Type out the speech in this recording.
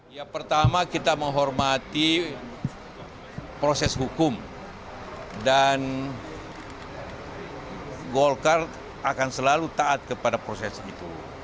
ya pertama kita menghormati proses hukum dan golkar akan selalu taat kepada proses itu